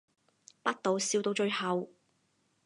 百度笑到最後